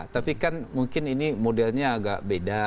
tapi kan mungkin ini modelnya agak beda